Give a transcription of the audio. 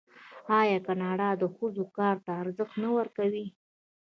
آیا کاناډا د ښځو کار ته ارزښت نه ورکوي؟